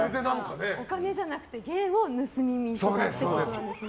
お金じゃなくて芸を盗みにってことですね。